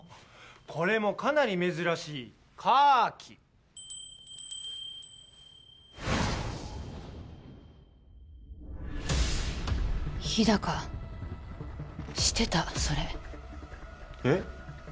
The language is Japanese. これもかなり珍しいカーキ日高してたそれえっ？